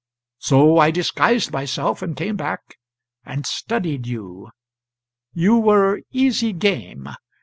So I disguised myself and came back and studied you. You were easy game.